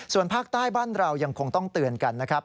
ส่วนภาคใต้บ้านเรายังคงต้องเตือนกันนะครับ